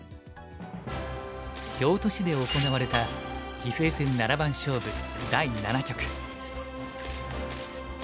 京都市で行われた棋聖戦七番勝負第七局。